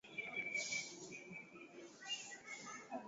Mwili wa Jacob ulipokaribia usawa wake akajitosa ndani ya maji